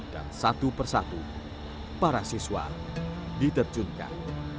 dan satu persatu para siswa diterjunkan